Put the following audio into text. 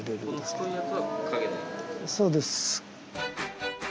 そうです。